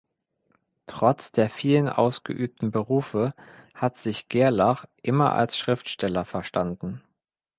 Trotz der vielen ausgeübten Berufe hat sich Gerlach immer als Schriftsteller verstanden.